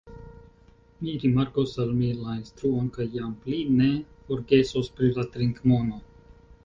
Mi rimarkos al mi la instruon kaj jam pli ne forgesos pri la trinkmono.